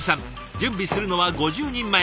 準備するのは５０人前。